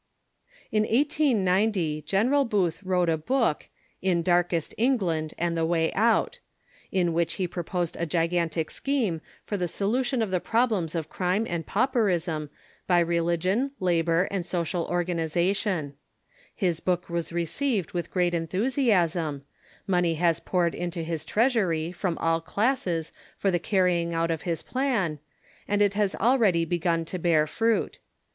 In 1890 General Booth wrote a book, "In Darkest England and the Way Out," in which he proposed a gigantic scheme for the solution of the problems of crime and paujicrism by religion, labor, and social organization. His book Avas received See Virg. ^n., i. 460, 461. 426 THE MODERN CHUBCH with great entlnisiasm, money has poured into his treasury from all classes for the carrying out of his plan, and In Darkest [^ jj^s already begun to bear fruit.